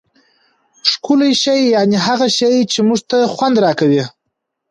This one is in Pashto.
ښکلی شي یعني هغه شي، چي موږ ته خوند راکوي.